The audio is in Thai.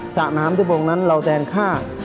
สระน้ำที่พรุ่งนั้นเราแต่งค่า